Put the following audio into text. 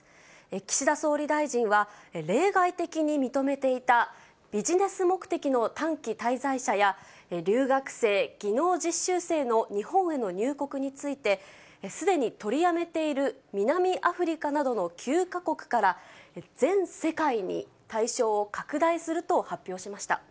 岸田総理大臣は、例外的に認めていたビジネス目的の短期滞在者や、留学生、技能実習生の日本への入国について、すでに取りやめている南アフリカなどの９か国から、全世界に対象を拡大すると発表しました。